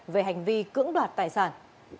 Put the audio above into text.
về hành vi cưỡng đoạt tài sản